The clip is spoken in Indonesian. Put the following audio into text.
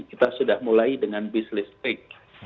kita sudah mulai dengan business fake